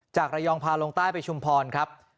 จากระยองพาลงใต้ไปชุมพรครับ